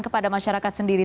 kepada masyarakat sendiri